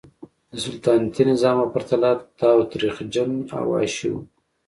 د سلطنتي نظام په پرتله تاوتریخجن او وحشي و.